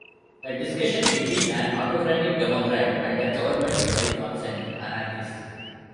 A Discussion Between an Autocratic Democrat and a Government-By-Consent Anarchist.